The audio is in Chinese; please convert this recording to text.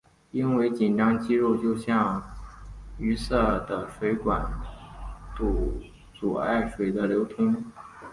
因为紧张的肌肉就像淤塞的水管阻碍水的流通。